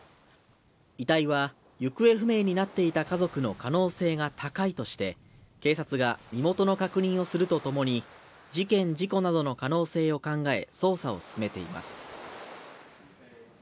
遺体は行方不明になっていた家族の可能性が高いとして、警察が身元の確認をするとともに、事件、事故などの可能性を考え、捜査を進めています。